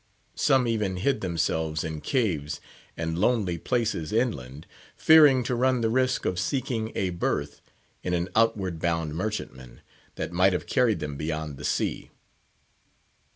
Some even hid themselves in caves, and lonely places inland, fearing to run the risk of seeking a berth in an outward bound merchantman, that might have carried them beyond sea.